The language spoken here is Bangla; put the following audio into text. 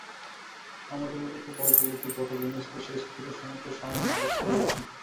আমাদের মধ্যে খুব অল্প লোকই পটভূমিস্থ সেই স্থির সমুদ্রের সামান্য আভাস পাইয়াছেন।